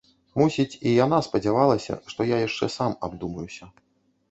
Мусіць, і яна спадзявалася, што я яшчэ сам абдумаюся.